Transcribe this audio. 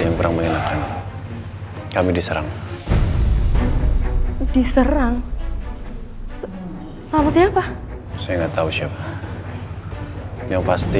diserang menyenangkan kami diserang diserang sama siapa saya enggak tahu siapa yang pasti